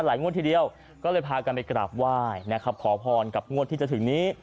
งวดทีเดียวก็เลยพากันไปกราบไหว้นะครับขอพรกับงวดที่จะถึงนี้